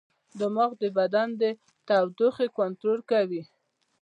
دماغ د بدن د تودوخې کنټرول کوي.